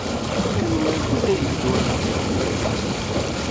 Anwi akk ara yeddun d iqeffafen?